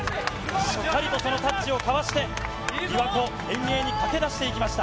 しっかりとそのタッチを交わして、びわ湖遠泳に駆け出していきました。